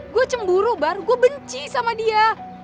gue cemburu baru gue benci sama dia